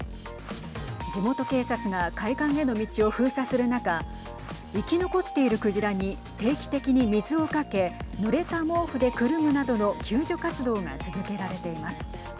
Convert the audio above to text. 地元警察が海岸への道を封鎖する中生き残っている鯨に定期的に水をかけぬれた毛布で、くるむなどの救助活動が続けられています。